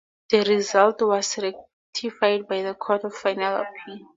The result was ratified by the Court of Final Appeal.